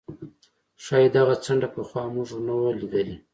ښايي دغه څنډه پخوا موږ نه وه لیدلې.